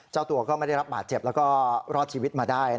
เจ้าตัวก็ไม่ได้รับบาดเจ็บแล้วก็รอดชีวิตมาได้